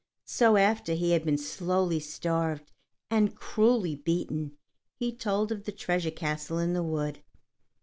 So, after he had been slowly starved and cruelly beaten, he told of the treasure castle in the wood.